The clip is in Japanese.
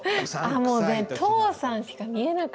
もうね「父さん」しか見えなかったです。